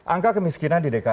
angka kemiskinan di dki